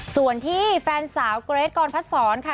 ส่วนที่แฟนสาวเกรทกรพัดศรค่ะ